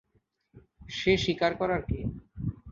সে স্বীকার করার কে?